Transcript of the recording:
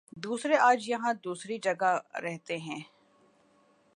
دوسرے آج یہاں دوسری جگہ رہتے ہیں